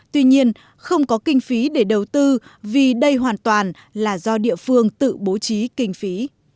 tuy nhiên không có kinh phí để đầu tư vì đây hoàn toàn là do địa phương tự bố trí kinh phí